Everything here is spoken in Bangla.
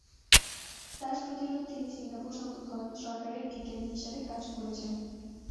সার্স প্রতিরোধ তিনি সিঙ্গাপুর সরকারের বিজ্ঞানী হিসেবে কাজ করেছেন।